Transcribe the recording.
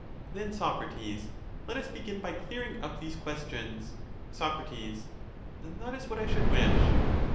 Then, Socrates, let us begin by clearing up these questions. Soc, That is what I should wish.